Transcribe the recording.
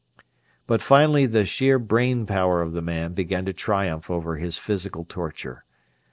But finally the sheer brain power of the man began to triumph over his physical torture.